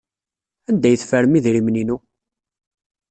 Anda ay teffrem idrimen-inu?